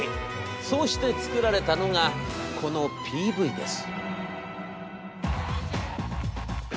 そうして作られたのがこのＰＶです」。